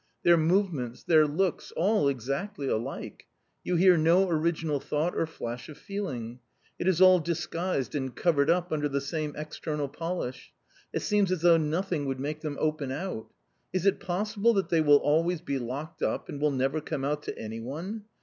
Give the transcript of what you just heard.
Their movements, their looks — all exactly alike : you hear no original thought or flash of feeling — it is all disguised and covered up under the same external polish. It seems as though nothing would make them open out Is it possible that they will always be locked up and will never come out to any one